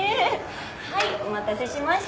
はいお待たせしました。